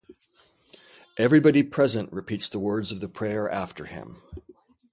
Everybody present repeats the words of the prayer after him.